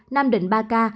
nam định ba ca